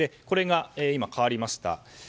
これが今、変わりました。